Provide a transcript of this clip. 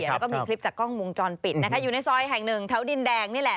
แล้วก็มีคลิปจากกล้องวงจรปิดนะคะอยู่ในซอยแห่งหนึ่งแถวดินแดงนี่แหละ